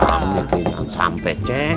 amri keringan sampe ceng